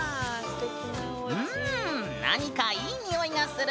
うん何かいい匂いがする！